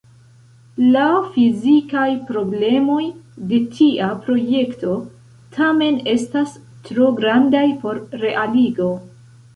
La fizikaj problemoj de tia projekto tamen estas tro grandaj por realigo.